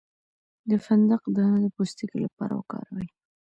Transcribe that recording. د فندق دانه د پوستکي لپاره وکاروئ